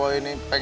ah ya ampun